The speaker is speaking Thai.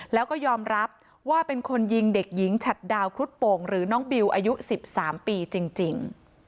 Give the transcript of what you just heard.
แล้วก็ยอมรับว่าเป็นคนยิงเด็กหญิงฉัดดาวครุฑโป่งหรือน้องบิวอายุ๑๓ปีจริง